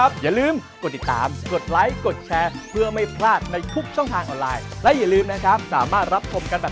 สวัสดีครับ